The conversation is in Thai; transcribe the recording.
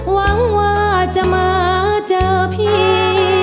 หวังว่าจะมาเจอพี่